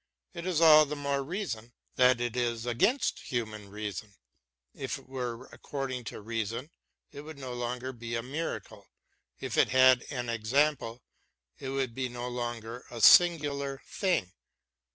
It is all the more reason that it is against human reason ; if it were according to reason, it would no longer be a miracle ; if it had an example, it would be no longer a singular thing.